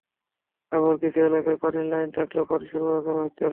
আবার কিছু এলাকায় পানির লাইন থাকলেও পানি সরবরাহ করা হচ্ছে না।